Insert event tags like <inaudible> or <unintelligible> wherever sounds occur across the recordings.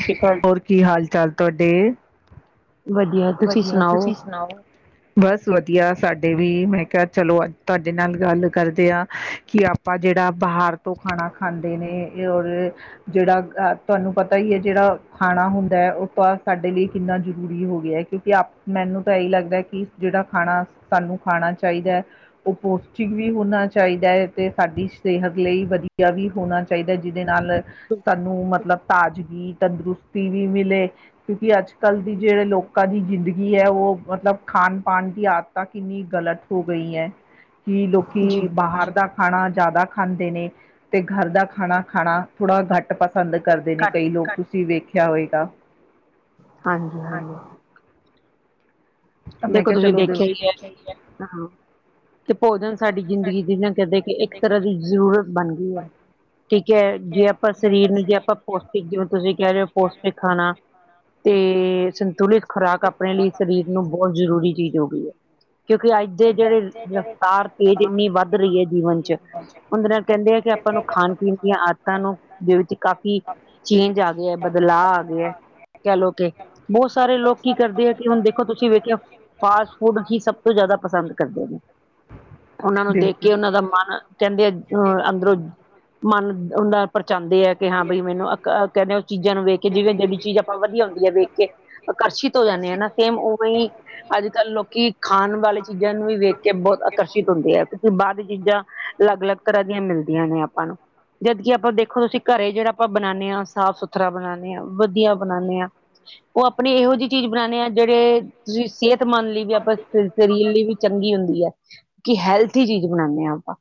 ਸਸ ਰੀ ਕਾਲ, ਹੋਰ ਕੀ ਹਾਲ-ਚਾਲ ਤੁਆਡੇ? ਵਧੀਆ ਤੁਸੀਂ ਸੁਣਾਓ। ਸੁਣਾਓ। ਬਸ ਵਧੀਆ ਸਾਡੇ ਵੀ ਮੈਂ ਕਿਹਾ ਚਲੋ ਅੱਜ ਤੁਆਡੇ ਨਾਲ ਗੱਲ ਕਰਦੇ ਆ ਕਿ ਆਪਾਂ ਜੇੜਾ ਬਾਹਰ ਤੋਂ ਖਾਣਾ ਖਾਂਦੇ ਨੇ ਔਰ ਜਿਹੜਾ ਅ ਤੁਹਾਨੂੰ ਪਤਾ ਈ ਏ ਜਿਹੜਾ ਖਾਣਾ ਹੁੰਦਾ ਉਹ ਤਾਂ ਸਾਡੇ ਲਈ ਕਿੰਨਾ ਜ਼ਰੂਰੀ ਹੋ ਗਿਆ ਏ। ਕਿਉਂਕਿ ਆਪ ਮੈਨੂੰ ਤਾਂ ਇਹੀ ਲੱਗਦਾ ਕੀ ਜੇੜਾ ਖਾਣਾ ਸਾਨੂੰ ਖਾਣਾ ਚਾਈਦੈ ਓ ਪੋਸ਼ਟਿਕ ਵੀ ਹੋਣਾ ਚਾਈਦਾ ਐ, ਤੇ ਸਾਡੀ ਸਿਹਤ ਲਈ ਵਧੀਆ ਵੀ ਹੋਣਾ ਚਾਈਦਾ ਜਿਦੇ ਨਾਲ ਸਾਨੂੰ ਮਤਲਬ ਤਾਜ਼ਗੀ ਤੰਦਰੁਸਤੀ ਵੀ ਮਿਲੇ ਕਿਉਂਕਿ ਅੱਜ-ਕੱਲ੍ਹ ਦੀ ਜੇੜੇ ਲੋਕਾਂ ਦੀ ਜ਼ਿੰਦਗੀ ਏ ਉਹ ਮਤਲਬ ਖਾਣ-ਪਾਣ ਦੀ ਆ ਦਤਾਂ ਕਿੰਨੀ ਗਲਤ ਹੋ ਗਈ ਐ। <inaudible> ਹੁਨ ਜੀ। ਲੋਕੀ ਬਾਹਰ ਦਾ ਖਾਣਾ ਜ਼ਿਆਦਾ ਖਾਂਦੇ ਨੇ, ਤੇ ਘਰ ਦਾ ਖਾਣਾ-ਖਾਣਾ ਥੋੜ੍ਹਾ ਘੱਟ ਪਸੰਦ ਕਰਦੇ ਨੇ ਘੱਟ ਕਈ ਲੋਕ ਤੁਸੀਂ ਵੇਖਿਆ ਹੋਏਗਾ। ਹਾਂਜੀ-ਹਾਂਜੀ। ਤਾਂ ਮੈਂ ਦੇਖੋ ਕਿਹਾ ਤੁਸੀਂ ਚਲੋ ਦੇਖਿਆ ਈ ਦਿਲ ਏ ਹਾਂ। ਕਿ ਭੋਜਨ ਸਾਡੀ ਜ਼ਿੰਦਗੀ ਦੀ ਨਾ ਕਰਦੇ ਕਿ ਏਕ ਤਰ੍ਹਾਂ ਦੀ ਜ਼ਰੂਰਤ ਬਣ ਗਈ ਐ, ਠੀਕ ਏ ਜੇ ਆਪਾਂ ਸਰੀਰ ਨੂੰ ਜੇ ਆਪਾਂ ਪੋਸ਼ਟਿਕ ਜਿਵੇਂ ਤੁਸੀਂ ਕੈ ਰੈ ਓ। ਪੌਸ਼ਟਿਕ ਖਾਣਾ ਤੇ ਸੰਤੁਲਿਤ ਖੁਰਾਕ ਆਪਣੇ ਲਈ ਸਰੀਰ ਨੂੰ ਬਹੁਤ ਜ਼ਰੂਰੀ ਚੀਜ਼ ਹੋ ਗਈ ਏ। ਕਿਉਂਕਿ ਅੱਜ ਦੇ ਜੇੜੇ ਰਫਤਾਰ ਤੇਜ਼ ਏਨੀ ਵੱਧ ਰਈ ਐ ਜੀਵਨ ਚ ਉਂਦੇ ਨਾਲ ਕੈਂਦੇ ਆਂ ਕਿ ਆਪਾਂ ਨੂੰ ਖਾਣ-ਪੀਣ ਦੀਆਂ ਆਦਤਾਂ ਨੂੰ ਦੇ ਵਿੱਚ ਕਾਫ਼ੀ ਚੇਂਜ ਆ ਗਿਆ ਬਦਲਾਅ ਆ ਗਿਆ ਐ। ਚੱਲ ਓਕੇ, ਬੋਤ ਸਾਰੇ ਲੋਕ ਕੀ ਕਰਦੇ ਏ ਕਿ ਹੁਣ ਦੇਖੋ ਤੁਸੀਂ ਵੇਖਿਆ ਫਾਸਟ-ਫੂਡ ਹੀ ਸਭ ਤੋਂ ਜਾਦਾ ਪਸੰਦ ਕਰਦੇ ਨੇ, ਓਨਾਂ ਨੂੰ ਦੇਖ ਬਿਲਕੁਲ ਕੇ ਓਨਾਂ ਦਾ ਮਨ ਕੈਦੇ ਆ ਅਹ ਅੰਦਰੋਂ ਮਨ ਉਂਦਾ ਪਰਚਾਂਦੇ ਆ। ਕਿ ਹਾਂ ਬਈ ਮੈਨੂੰ ਅਹ ਕੈਂਦੇ ਓ ਚੀਜ਼ਾਂ ਨੂੰ ਵੇਖ ਕੇ ਜਿਵੇਂ ਜੇੜੀ ਚੀਜ਼ ਆਪਾਂ ਵਧੀਆ ਹੁੰਦੀ ਐ ਵੇਖ ਕੇ ਆਕਰਸ਼ਿਤ ਹੋ ਜਾਂਨੇ ਆਂ ਨਾ ਸੇਮ ਓਵੇ ਈ ਅੱਜ-ਕੱਲ ਲੋਕੀ ਖਾਣ ਵਾਲੇ ਚੀਜ਼ਾਂ ਨੂੰ ਵੀ ਵੇਖ ਕੇ ਬੋਤ ਆਕਰਸ਼ਿਤ ਹੁੰਦੇ ਆ‌ ਕਿਉਂਕਿ ਬਾਰ ਦੀ ਚੀਜ਼ਾਂ ਲੱਗ-ਲੱਗ ਤਰ੍ਹਾਂ ਦੀਆਂ ਮਿਲਦੀਆਂ ਨੇ ਆਪਾਂ ਨੂੰ ਜਦਕਿ ਆਪਾਂ ਦੇਖੋ ਤੁਸੀਂ ਕਰੇ ਜੇੜਾ ਆਪਾਂ ਬਣਾਂਣੇ ਆਂ ਸਾਫ਼-ਸੁਥਰਾ ਬਣਾਣੇ ਆਂ ਵਧੀਆ ਬਣਾਣੇ ਆਂ ਓ ਆਪਣੀ ਏਹੋ ਜੀ ਚੀਜ਼ ਬਣਾਣੇ ਆਂ ਜੇੜੇ ਤੁਸੀਂ ਸਿਹਤਮੰਦ ਲਈ ਵੀ ਆਪਾਂ ਸ ਸਰੀਰ ਲਈ ਵੀ ਚੰਗੀ ਹੁੰਦੀ ਐ। ਕਿ ਹੈਲਥੀ ਚੀਜ਼ ਬਣਾਣੇ ਆਂ ਆਪਾਂ,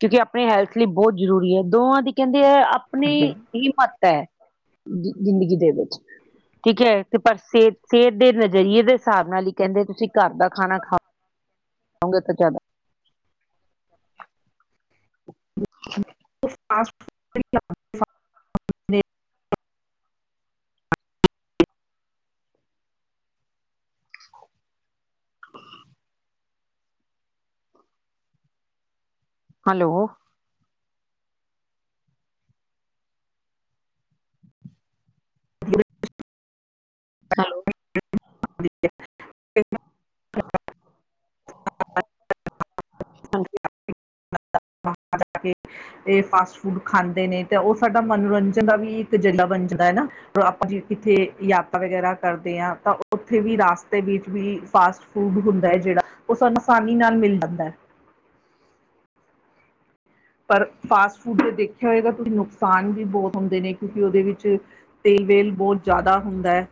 ਕਿਉਂਕਿ ਆਪ ਆਪਣੇ ਹੈਲਥ ਲਈ ਬੋਤ ਜ਼ਰੂਰੀ ਏ। ਦੋਵਾਂ ਦੀ ਕੈਂਦੇ ਐ ਦੇਖੀਏ ਆਪਣੀ ਬਿਲਕੁਲ ਹਿੰਮਤ ਏ। ਜ਼ਿੰਦਗੀ ਦੇ ਵਿੱਚ, ਠੀਕ ਐ ਤੇ ਪਰ ਸਿਹਤ-ਸਿਹਤ ਦੇ ਨਜ਼ਰੀਏ ਦੇ ਸਾਬ ਨਾਲ ਈ ਕੈਂਦੇ ਤੁਸੀਂ ਕਾੱਰ ਦਾ ਖਾਣਾ ਖਾ ਖਾਓਗੇ ਤੇ ਜਾਦਾ <inaudible> <unintelligible> ਹੈਲੋ। ਹੈਲੋ। <inaudible> ਹਾਂਜੀ। <inaudible> ਏਹ ਫਾਸਟ ਫੂਡ ਖਾਂਦੇ ਨੇ ਤੇ ਓ ਸਾਡਾ ਮਨੋਰੰਜਨ ਦਾ ਵੀ ਏਕ ਅਜੰਡਾ ਬਣ ਜਾਂਦਾ ਏ ਨਾ। ਆਪਾਂ ਕਿਥੇ ਯਾਤਰਾ ਵਗੈਰਾ ਕਰਦੇ ਆ ਤਾਂ ਓਥੇ ਵੀ ਰਸਤੇ ਵਿੱਚ ਵੀ ਫਾਸਟ ਫੂਡ ਹੁੰਦਾ ਐ ਜੈੜਾ ਓ ਸਾਨੂੰ ਆਸਾਨੀ ਨਾਲ ਮਿਲ ਜਾਂਦਾ ਐ। ਪਰ ਫਾਸਟ ਫੂਡ ਦੇਖਿਆ ਹੋਏਗਾ, ਤੁਸੀਂ ਨੁਕਸਾਨ ਵੀ ਬੋਤ ਹੁੰਦੇ ਨੇ ਕਿਉਂਕਿ ਓਦੇ ਵਿੱਚ ਤੇਲ-ਵੇਲ ਬੋਤ ਜਾਦਾ ਹੁੰਦਾ ਐ।